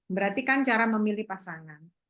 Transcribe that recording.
berarti kan cara memilih pasangan